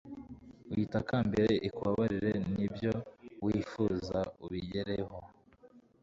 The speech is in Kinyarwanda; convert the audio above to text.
uyitakambire, ikubabarire, n'ibyo wifuza, ubigereho